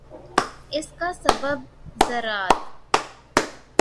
اس کا سبب ذرات